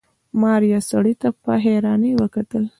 ماريا سړي ته په حيرانۍ کتل.